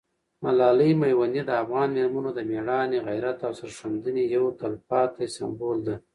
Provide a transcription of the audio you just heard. ملالۍ میوندۍ د افغان مېرمنو د مېړانې، غیرت او سرښندنې یو تلپاتې سمبول ده.